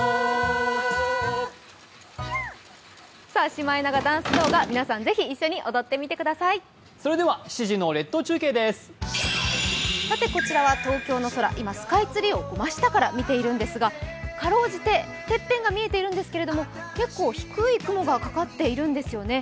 シマエナガダンス動画皆さん是非こちらは東京の空、今、スカイツリーを真下から見ているんですが辛うじててっぺんが見えているんですけれども結構、低い雲がかかっているんですよね。